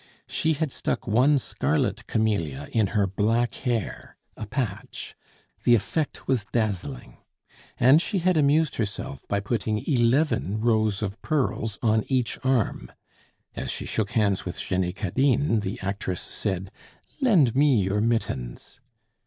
She had stuck one scarlet camellia in her black hair a patch the effect was dazzling, and she had amused herself by putting eleven rows of pearls on each arm. As she shook hands with Jenny Cadine, the actress said, "Lend me your mittens!"